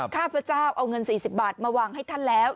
ข้าพเจ้าเอาเงิน๔๐บาทมาวางให้ท่านแล้ว